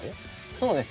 そうですね。